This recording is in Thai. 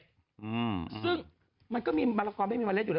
อืมซึ่งมันก็มีมะละกอไม่มีเมล็ดอยู่แล้ว